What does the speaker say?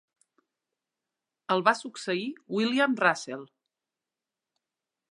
El va succeir William Russell.